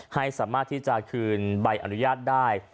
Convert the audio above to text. ให้สามารถที่จะคืนใบอนุญาตได้